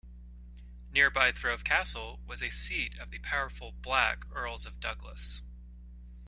Nearby Threave Castle was a seat of the powerful "Black" Earls of Douglas.